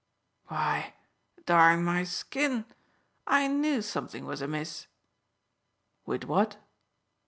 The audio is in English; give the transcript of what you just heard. Why, darn my skin, I knew something was amiss! "With what?"